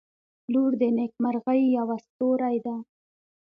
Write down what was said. • لور د نیکمرغۍ یوه ستوری ده.